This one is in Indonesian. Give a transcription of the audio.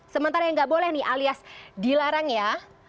sementara yang nggak boleh nih alias dilarang ya